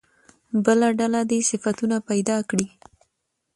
بله ډله دې صفتونه پیدا کړي.